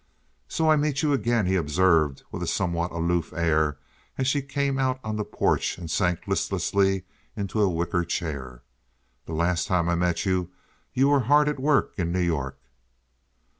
"So I meet you again," he observed, with a somewhat aloof air, as she came out on the porch and sank listlessly into a wicker chair. "The last time I met you you were hard at work in New York."